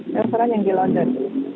restoran yang di london